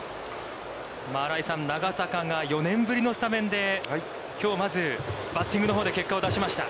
新井さん、長坂が４年ぶりのスタメンで、きょうまず、バッティングのほうで結果を出しました。